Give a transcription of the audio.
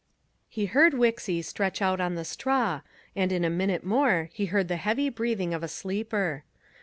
He heard Wixy stretch out on the straw, and in a minute more he heard the heavy breathing of a sleeper.